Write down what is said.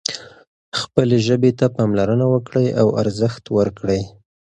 خپلې ژبې ته پاملرنه وکړئ او ارزښت ورکړئ.